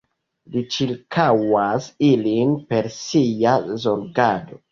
Li ĉirkaŭas ilin per Sia zorgado.